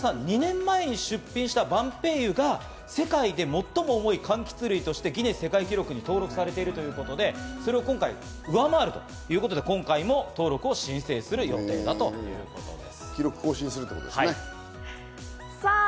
実は前田さん、２年前に出品したバンペイユが世界で最も重い柑橘類としてギネス世界記録に登録されているということで、それを今回上回ることで、今回も登録を申請する予定だということです。